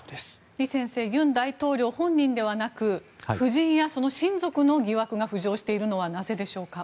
李先生尹大統領本人ではなく夫人や親族の疑惑が浮上しているのはなぜでしょうか。